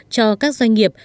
cho các doanh nghiệp